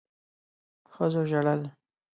ښځو ژړل